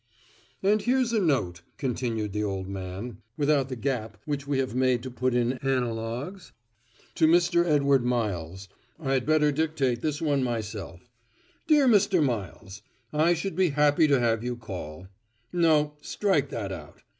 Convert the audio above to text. "And here's a note," continued the old man, without the gap which we have made to put in analogues, "to Mr. Edward Miles I'd better dictate this one myself 'Dear Mr. Miles: I should be happy to have you call ' No, strike that out.